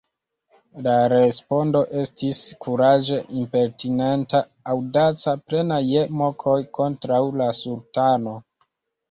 La respondo estis kuraĝe impertinenta, aŭdaca, plena je mokoj kontraŭ la sultano.